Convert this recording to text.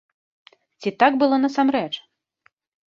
Ці так было насамрэч?